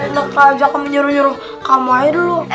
enak aja kamu nyuruh nyuruh kamu air dulu